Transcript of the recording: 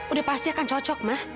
udah pasti akan cocok mah